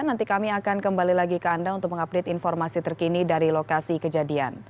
nanti kami akan kembali lagi ke anda untuk mengupdate informasi terkini dari lokasi kejadian